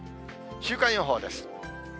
週間予報です。